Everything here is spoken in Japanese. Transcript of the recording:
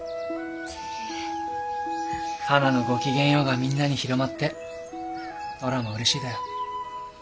はなの「ごきげんよう」がみんなに広まっておらもうれしいだよ。